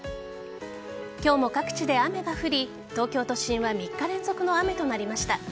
今日も各地で雨が降り東京都心は３日連続の雨となりました。